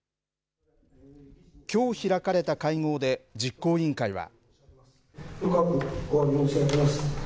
きょう開かれた会合で、実行委員会は。